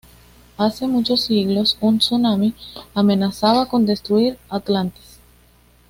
Hace muchos siglos, un tsunami amenazaba con destruir Atlantis.